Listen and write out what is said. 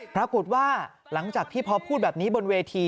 ปรากฏว่าหลังจากที่พอพูดแบบนี้บนเวที